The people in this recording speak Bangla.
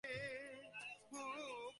জেনারেল, আদেশ দিন।